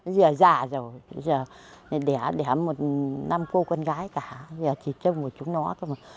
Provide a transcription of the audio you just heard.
giờ già rồi giờ đẻ một năm cô con gái cả giờ chỉ trông một chú non